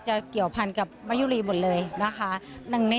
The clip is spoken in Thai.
เกี่ยวพันกับมะยุรีหมดเลยนะคะ